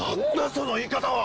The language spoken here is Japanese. その言い方は。